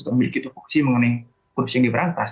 memiliki itu fokusi mengenai kursi yang diberantas